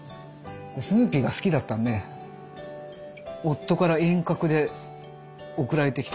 スヌーピーが好きだったんで夫から遠隔で贈られてきて。